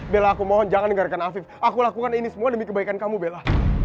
bella aku mohon jangan dengarkan afif aku lakukan ini semua demi kebaikan kamu bella